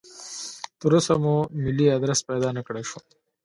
تراوسه مو ملي ادرس پیدا نکړای شو.